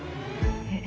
えっ？